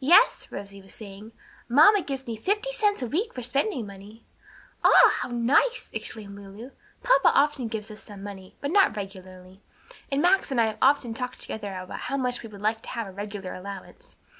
"Yes," Rosie was saying, "mamma gives me fifty cents a week for spending money." "Ah, how nice!" exclaimed Lulu. "Papa often gives us some money, but not regularly, and Max and I have often talked together about how much we would like to have a regular allowance.